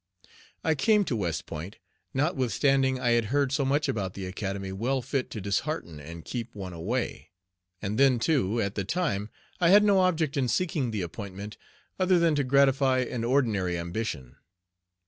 I came to West Point, notwithstanding I had heard so much about the Academy well fit to dishearten and keep one away. And then, too, at the time I had no object in seeking the appointment other than to gratify an ordinary ambition.